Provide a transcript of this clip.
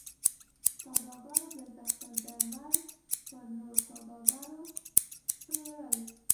سوداګرو دلته خپل درمل پر نورو سوداګرو پلورل.